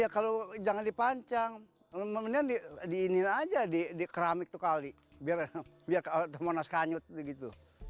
kalau jangan dipancang diinikan saja di keramik kali biar kemonas kanyut